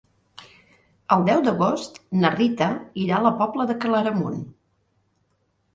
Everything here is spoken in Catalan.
El deu d'agost na Rita irà a la Pobla de Claramunt.